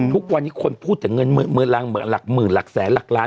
ทุกวันนี้คนพูดถึงเงินมือหลักหมื่นหลักแสนหลักล้าน